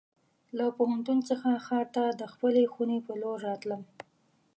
له پوهنتون څخه ښار ته د خپلې خونې په لور راتلم.